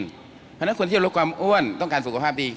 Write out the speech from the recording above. เพราะฉะนั้นคนที่จะลดความอ้วนต้องการสุขภาพดี